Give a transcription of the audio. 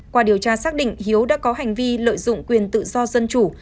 qua điều tra xác định hiếu đã có hành vi lợi dụng quyền tự do dân chủ